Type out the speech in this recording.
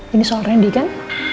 ini soal randy kan